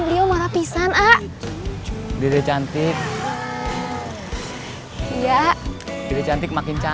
bicara sama pc